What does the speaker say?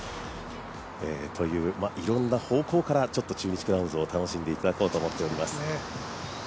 いろんな方向から中日クラウンズを楽しんでいただこうと思っております。